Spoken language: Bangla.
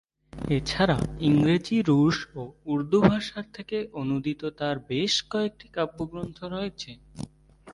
এছাড়া ইংরেজি, রুশ ও উর্দু ভাষা থেকে অনূদিত তাঁর বেশ কয়েকটি কাব্যগ্রন্থ রয়েছে।